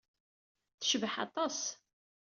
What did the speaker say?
Tecbeḥ aṭas.